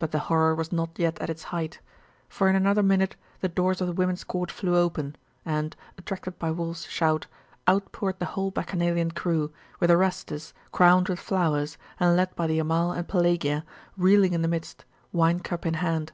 But the horror was not yet at its height; for in another minute the doors of the women's court flew open, and, attracted by Wulf's shout, out poured the whole Bacchanalian crew, with Orestes, crowned with flowers, and led by the Amal and Pelagia, reeling in the midst, wine cup in hand.